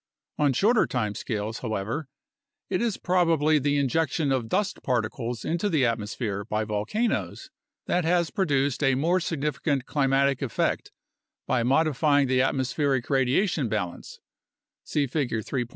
On shorter time scales, however, it is prob ably the injection of dust particles into the atmosphere by volcanoes that has produced a more significant climatic effect by modifying the at mospheric radiation balance (see Figure 3.